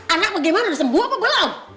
anak bagaimana sembuh apa belum